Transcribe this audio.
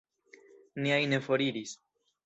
Niaj ne foriris.